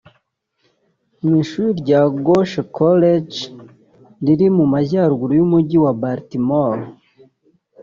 mu ishuri rya Goucher College riri mu Majyaruguru y’Umujyi wa Baltimore